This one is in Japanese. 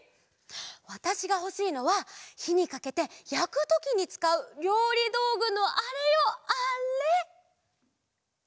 わたしがほしいのはひにかけてやくときにつかうりょうりどうぐのあれよあれ！